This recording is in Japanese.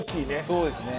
そうですね。